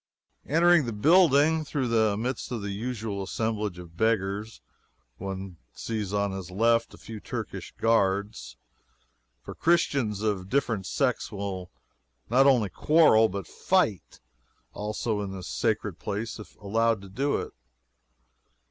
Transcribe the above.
Entering the building, through the midst of the usual assemblage of beggars, one sees on his left a few Turkish guards for Christians of different sects will not only quarrel, but fight, also, in this sacred place, if allowed to do it.